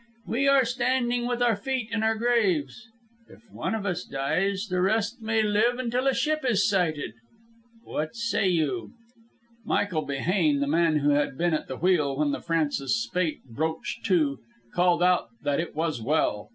We are standing with our feet in our graves. If one of us dies, the rest may live until a ship is sighted. What say you?" Michael Behane, the man who had been at the wheel when the Francis Spaight broached to, called out that it was well.